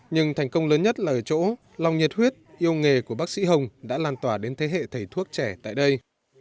nhưng thành công lớn nhất là ở chỗ lòng nhiệt huyết yêu nghề của bác sĩ hồng đã lan tỏa đến thế hệ thầy thuốc trẻ tại đây